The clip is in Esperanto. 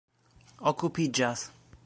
okupiĝas